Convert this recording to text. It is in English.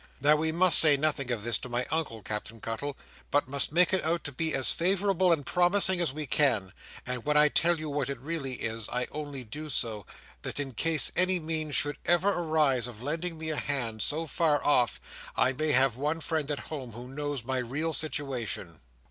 Now, we must say nothing of this to my Uncle, Captain Cuttle, but must make it out to be as favourable and promising as we can; and when I tell you what it really is, I only do so, that in case any means should ever arise of lending me a hand, so far off, I may have one friend at home who knows my real situation.